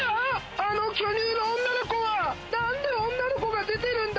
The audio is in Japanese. あの巨乳の女の子はなんで女の子が出てるんだ？